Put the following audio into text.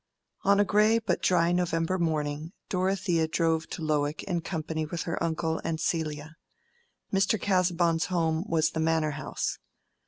On a gray but dry November morning Dorothea drove to Lowick in company with her uncle and Celia. Mr. Casaubon's home was the manor house.